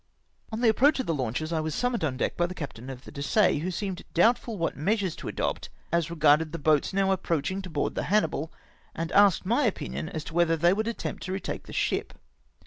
On the approach of the launches I was summoned on deck by the captain of the Dessaix, who seemed doubt ful what measures to adopt as regarded the boats now approaching to board the Hannibal, and asked my opinion as to whether they would attempt to retake the ship.